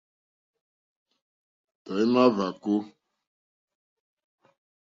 Tɔ̀ímá hvàkó.